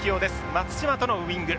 松島とのウイング。